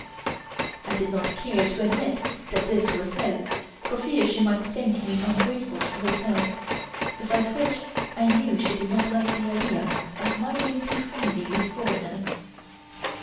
I did not care to admit that this was so, for fear she might think me ungrateful to herself, besides which I knew she did not like the idea of my being too friendly with foreigners.